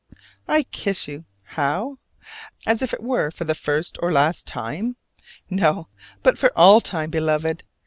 I kiss you how? as if it were for the first or the last time? No, but for all time, Beloved!